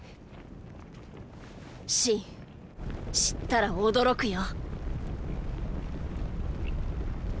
⁉信知ったら驚くよ。